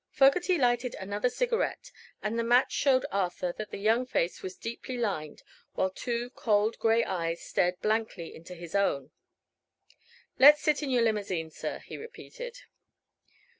Fogerty lighted another cigarette and the match showed Arthur that the young face was deeply lined, while two cold gray eyes stared blankly into his own. "Let's sit in your limousine, sir," he repeated.